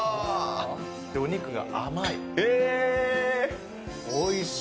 お肉が甘い。